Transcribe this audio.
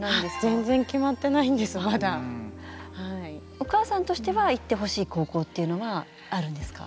お母さんとしては行ってほしい高校というのはあるんですか？